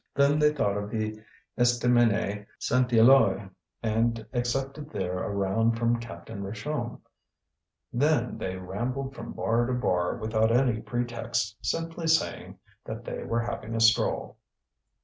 Then they thought of the Estaminet Saint Éloi and accepted there a round from Captain Richomme. Then they rambled from bar to bar, without any pretext, simply saying that they were having a stroll.